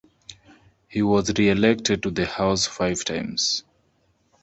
He was re-elected to the House five times.